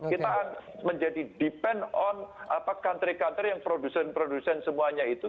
kita menjadi bergantung pada negara negara yang produsen produsen semuanya itu